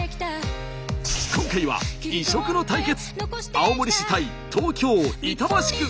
今回は異色の対決。